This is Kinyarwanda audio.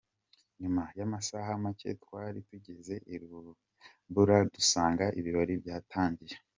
Nyuma y’amasaha make twari tugeze i Rambura dusanga ibirori byatangiye.